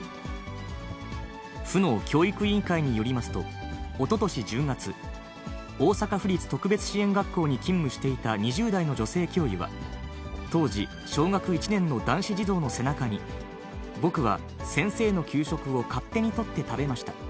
府の教育委員会によりますと、おととし１０月、大阪府立特別支援学校に勤務していた２０代の女性教諭は、当時、小学１年の男子児童の背中に、僕は先生の給食を勝手に取って食べました。